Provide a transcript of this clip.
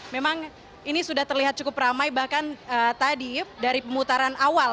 memang ini sudah terlihat cukup ramai bahkan tadi dari pemutaran awal